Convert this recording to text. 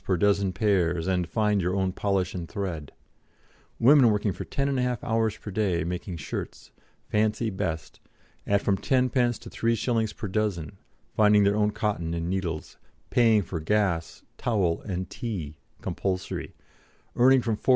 per dozen pairs and "find your own polish and thread"; women working for 10 1/2 hours per day, making shirts "fancy best" at from 10d. to 3s. per dozen, finding their own cotton and needles, paying for gas, towel, and tea (compulsory), earning from 4s.